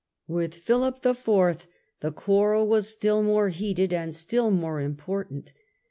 With Philip IV. the quarrel was still more heated and still more impor tant.